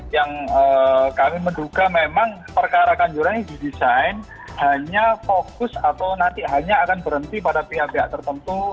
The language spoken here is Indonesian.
yang kami menduga memang perkara kanjuran ini didesain hanya fokus atau nanti hanya akan berhenti pada pihak pihak tertentu